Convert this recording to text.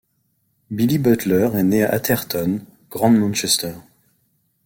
Billy Butler est né à Atherton, Grand Manchester.